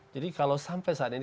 jadi kalau sampai saat ini